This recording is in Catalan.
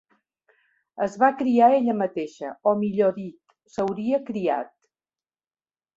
Es va criar ella mateixa, o millor dit, s'hauria criat.